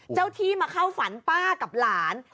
เจ้าที่มาเข้าฝันป้ากับหลาน